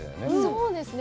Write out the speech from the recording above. そうですね。